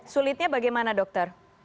sulitnya bagaimana dokter